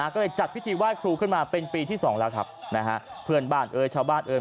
ก็เลยจัดพิธีไหว้ครูขึ้นมาเป็นปีที่สองแล้วครับนะฮะเพื่อนบ้านเอ่ยชาวบ้านเอ่ย